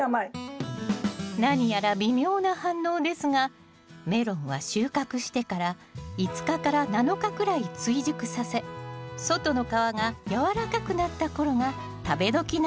何やら微妙な反応ですがメロンは収穫してから５日７日くらい追熟させ外の皮が柔らかくなった頃が食べどきなんですよね